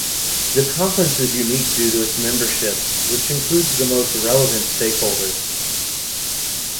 The Conference is unique due to its membership, which includes the most relevant stakeholders.